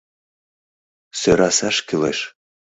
Сӧрасаш кӱлеш.